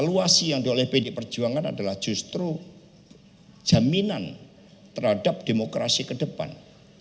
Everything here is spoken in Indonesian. karena seperti yang sudah saya katakan